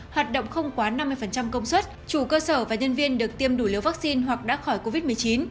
hoạt động không quá năm mươi công suất chủ cơ sở và nhân viên được tiêm đủ liều vaccine hoặc đã khỏi covid một mươi chín